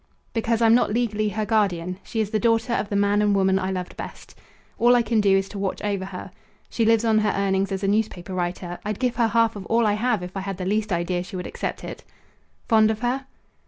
"Because I'm not legally her guardian. She is the daughter of the man and woman I loved best. All I can do is to watch over her. She lives on her earnings as a newspaper writer. I'd give her half of all I have if I had the least idea she would accept it." "Fond of her?"